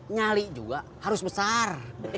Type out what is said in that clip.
nyali juga harus besar